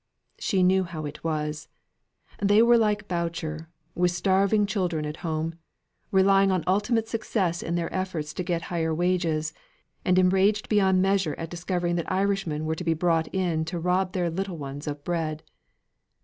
She knew how it was; they were like Boucher, with starving children at home relying on ultimate success in their efforts to get higher wages, and enraged beyond measure at discovering that Irishmen were to be brought in to rob their little ones of bread.